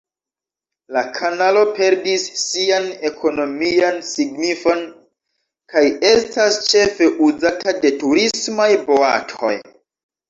La kanalo perdis sian ekonomian signifon kaj estas ĉefe uzata de turismaj boatoj.